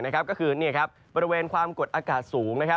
ก็คือบริเวณความกดอากาศสูง